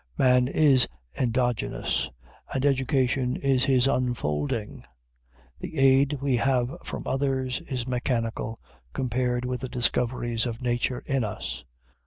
Man is endogenous, and education is his unfolding. The aid we have from others is mechanical, compared with the discoveries of nature in us.